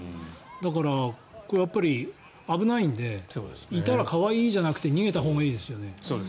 だから、危ないのでいたら可愛いじゃなくて逃げたほうがいいですよね。